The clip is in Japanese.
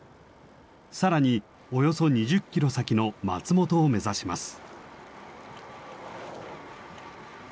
更におよそ２０ｋｍ先の松本を目指します。